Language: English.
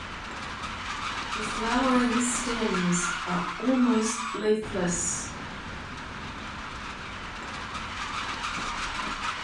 The flowering stems are almost leafless.